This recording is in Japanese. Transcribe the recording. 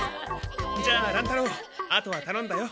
じゃあ乱太郎後はたのんだよ。